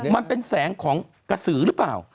มันเป็นแสงของกระสือหรือเปล่า